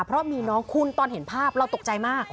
เพราะมีน้องคุณตอนเห็นภาพเราตกใจมาก